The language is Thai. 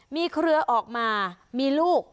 มีเครือออกมามีลูก